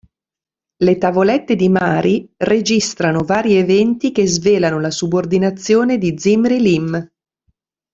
Le tavolette di Mari registrano vari eventi che svelano la subordinazione di Zimri-Lim.